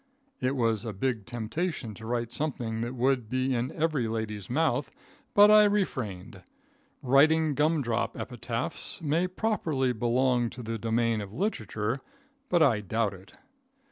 It was a big temptation to write something that would be in every lady's mouth, but I refrained. Writing gum drop epitaphs may properly belong to the domain of literature, but I doubt it.